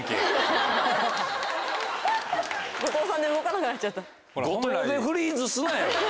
後藤さんで動かなくなっちゃった。